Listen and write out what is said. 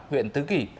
huyện tứ kỷ